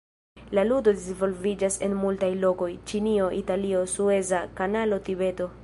La ludo disvolviĝas en multaj lokoj: Ĉinio, Italio, sueza kanalo, Tibeto.